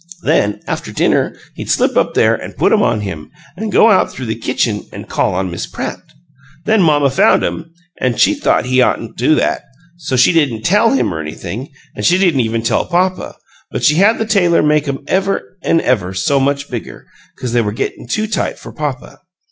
Then, after dinner, he'd slip up there an' put 'em on him, an' go out through the kitchen an' call on Miss Pratt. Then mamma found 'em, an' she thought he oughtn't to do that, so she didn't tell him or anything, an' she didn't even tell papa, but she had the tailor make 'em ever an' ever so much bigger, 'cause they were gettin' too tight for papa.